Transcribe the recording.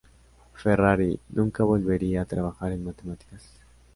Ferrari nunca volvería a trabajar en matemáticas.